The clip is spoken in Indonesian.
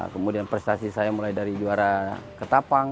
kemudian prestasi saya mulai dari juara ketapang